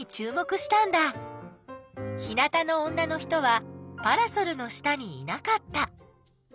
日なたの女の人はパラソルの下にいなかった。